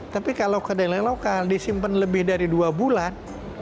tapi kalau kedelai lokal disimpan lebih dari dua bulan